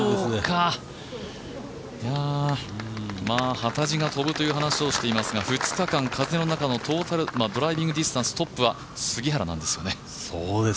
幡地が飛ぶという話をしていますが、２日間、風の中のドライビングディスタンストップは杉原なんですよね。